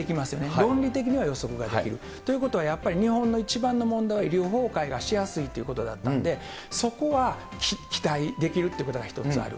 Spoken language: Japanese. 論理的には予測ができる。ということは、やっぱり日本の一番の問題は、医療崩壊がしやすいということだったので、そこは期待できるっていうことが一つある。